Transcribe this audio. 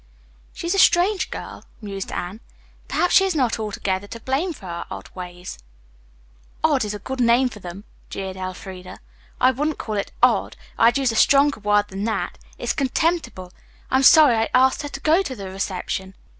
"She is a strange girl," mused Anne. "Perhaps she is not altogether to blame for her odd ways." "'Odd' is a good name for them," jeered Elfreda. "I wouldn't call it 'odd,' I'd use a stronger word than that. It's contemptible. I'm sorry I asked her to go to the reception."